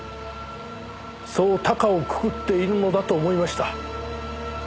そう高をくくっているのだと思いました。